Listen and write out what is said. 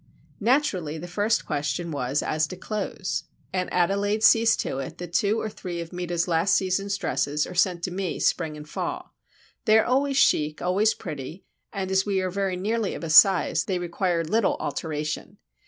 Naturally, the first question was as to clothes. Aunt Adelaide sees to it that two or three of Meta's last season's dresses are sent to me spring and fall. They are always chic, always pretty, and as we are very nearly of a size, they require little alteration.